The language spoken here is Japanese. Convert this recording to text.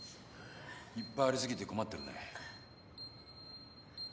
いっぱいあり過ぎて困ってるね。